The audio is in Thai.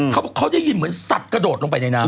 เขาบอกเขาได้ยินเหมือนสัตว์กระโดดลงไปในน้ำ